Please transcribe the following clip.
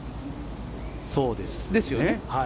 そうですね。